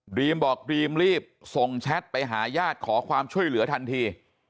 รีมบอกดรีมรีบส่งแชทไปหาญาติขอความช่วยเหลือทันที